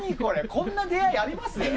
こんな出会いあります？